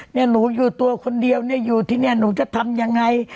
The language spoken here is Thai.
หนูอยู่ตัวคนเดียวเนี่ยอยู่ที่นี่หนูจะทำยังไง